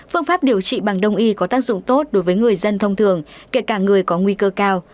phương pháp điều trị bằng đông y có tác dụng tốt đối với người dân thông thường kể cả người có nguy cơ cao